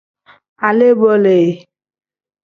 Alee-bo le.